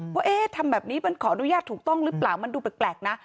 ว่าเอ๊ะทำแบบนี้มันขออนุญาตถูกต้องหรือเปล่ามันดูแปลกนะ